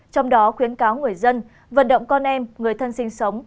trong đó khuyến cáo người dân vận động con em người thân sinh sống